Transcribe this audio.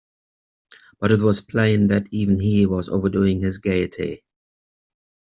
But it was plain that even he was overdoing his gaiety.